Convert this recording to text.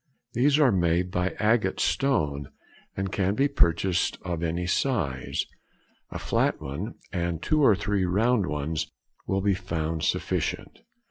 _—These are made of agate stone, and can be purchased of any size. A flat one, and two or three round ones, will be found sufficient.